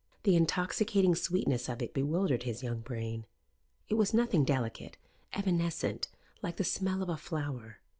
The intoxicating sweetness of it bewildered his young brain. It was nothing delicate, evanescent, like the smell of a flower.